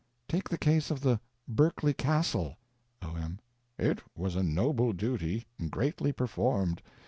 Take the case of the Berkeley Castle. O.M. It was a noble duty, greatly performed.